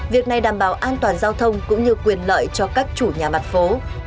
việc này đảm bảo an toàn giao thông cũng như quyền lợi cho các chủ nhà mặt phố